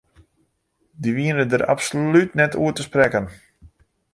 Dy wienen dêr absolút net oer te sprekken.